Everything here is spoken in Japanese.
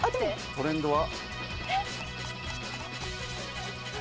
「トレンド」は？